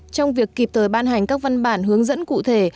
trong việc kịp thời ban hành các văn bản hướng dẫn cụ thể